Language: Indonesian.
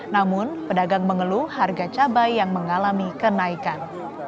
namun pedagang mengeluh harga cabai yang mengalami kenaikan